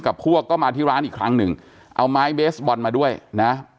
พวกก็มาที่ร้านอีกครั้งหนึ่งเอาไม้เบสบอลมาด้วยนะ